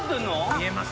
見えます？